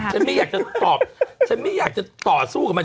ไม่อยากจะตอบฉันไม่อยากจะต่อสู้กับมัน